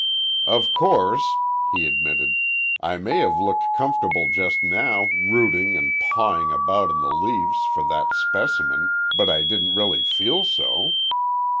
"Of course," he admitted, "I may have looked comfortable just now, rooting and pawing about in the leaves for that specimen, but I didn't really feel so."